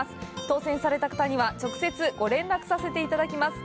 当せんされた方には、直接ご連絡させていただきます。